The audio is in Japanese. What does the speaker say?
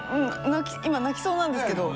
今泣きそうなんですけど。